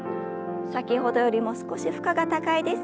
先ほどよりも少し負荷が高いです。